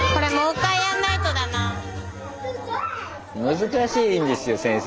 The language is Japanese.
難しいんですよ先生